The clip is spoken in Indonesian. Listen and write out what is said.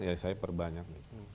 ya saya perbanyak